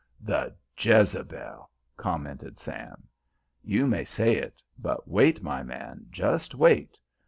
"The jezebel!" commented Sam. "You may say it; but wait, my man, just wait.